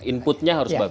inputnya harus bagus